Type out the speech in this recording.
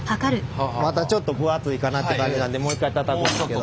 まだちょっと分厚いかなって感じなのでもう一回たたくんですけど。